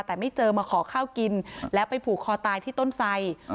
แต่ไม่เจอมาขอข้าวกินแล้วไปผูกคอตายที่ต้นไส